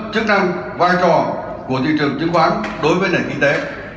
chức năng vai trò của thị trường chứng khoán đối với nền kinh tế